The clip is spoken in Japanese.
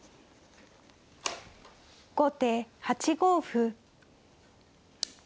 後手８五歩。